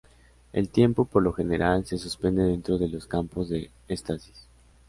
El tiempo, por lo general, se suspende dentro de los campos de estasis.